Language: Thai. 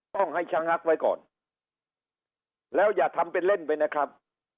ต้องให้ชะงักไว้ก่อนแล้วอย่าทำเป็นเล่นไปนะครับ